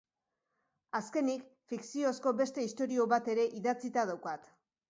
Azkenik, fikziozko beste istorio bat ere idatzita daukat.